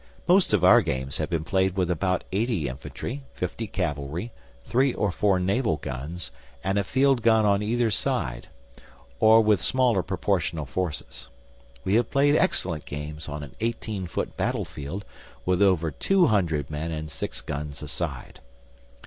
Most of our games have been played with about 80 infantry, 50 cavalry, 3 or 4 naval guns, and a field gun on either side, or with smaller proportional forces. We have played excellent games on an eighteen foot battlefield with over two hundred men and six guns a side.